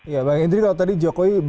ya bang hendri kalau tadi jokowi